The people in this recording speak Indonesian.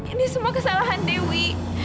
ini semua kesalahan dewi